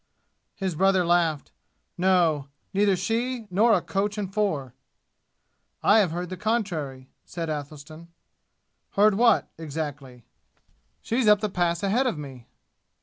His brother laughed. "No, neither she nor a coach and four." "I have heard the contrary," said Athelstan. "Heard what, exactly?" "She's up the Pass ahead of me."